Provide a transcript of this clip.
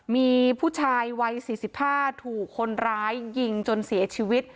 มีผู้ชายวัย๔๕ถูกคนร้ายยิงจนเสียชีวิต